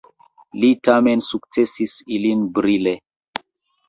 Li tamen sukcesis ilin brile.